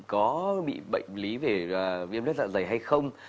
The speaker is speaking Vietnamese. có bị bệnh lý về viêm lết dạ dày hay không